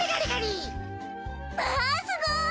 まあすごい！